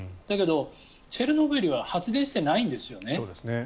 だけど、チェルノブイリは発電してないんですよね。